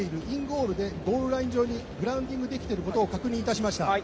インゴールでゴールライン上にできていることを確認しました。